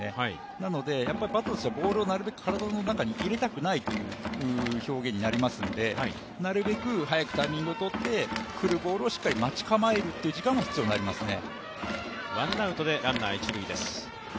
なので、バッターとしてはボールをなるべく体の中に入れたくないという表現になりますので、なるべく早いタイミングをとって、来るボールをしっかり待ち構えるという時間が必要になりますね。